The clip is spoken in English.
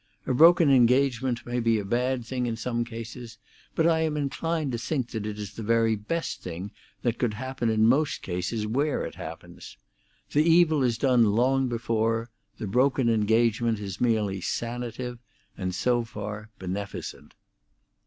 A broken engagement may be a bad thing in some cases, but I am inclined to think that it is the very best thing that could happen in most cases where it happens. The evil is done long before; the broken engagement is merely sanative, and so far beneficent."